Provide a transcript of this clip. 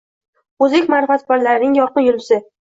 O‘zbek ma’rifatparvarlarining yorqin yulduzi